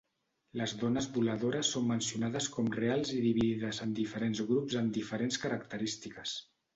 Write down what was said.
Les dones voladores són mencionades com reals i dividides en diferents grups amb diferents característiques.